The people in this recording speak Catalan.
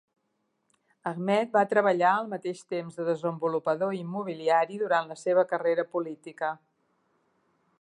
Ahmed va treballar al mateix temps de desenvolupador immobiliari durant la seva carrera política.